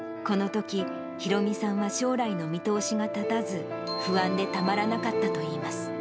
このとき、廣美さんは将来の見通しが立たず、不安でたまらなかったといいます。